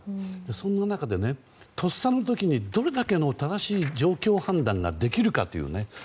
そんな中で、とっさの時にどれだけの正しい状況判断ができるかというね。